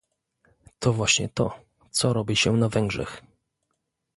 To właśnie to, co robi się na Węgrzech